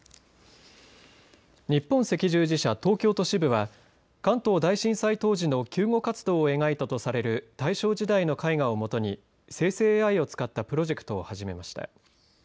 日本赤十字社東京都支部では関東大震災当時の救護活動を描いたとされる大正時代の絵画をもとに生成ＡＩを使ったプロジェクトを始めました。